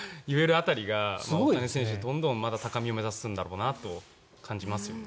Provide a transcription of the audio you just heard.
辺りが大谷選手、まだどんどん高みを目指すんだろうなと感じますよね。